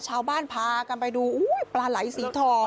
ชาวบ้านพากันไปดูปลาไหลสีทอง